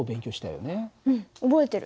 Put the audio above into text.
うん覚えてる。